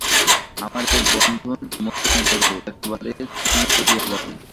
আমার এ বন্ধন মোচন করো, একেবারে ছিন্ন করিয়া দাও।